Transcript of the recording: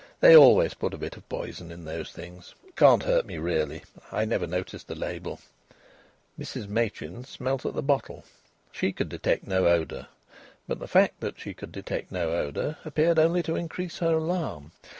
"They always put a bit of poison in those things. It can't hurt me, really. I never noticed the label." Mrs Machin smelt at the bottle. She could detect no odour, but the fact that she could detect no odour appeared only to increase her alarm.